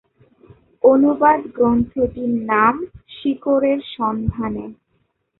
অনুবাদ গ্রন্থটির নাম ""শিকড়ের সন্ধানে""।